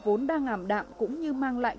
vốn đang ảm đạm cũng như mang lại